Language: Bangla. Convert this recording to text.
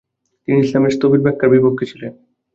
তিনি ইসলামের স্থবির ব্যাখ্যার বিপক্ষে ছিলেন।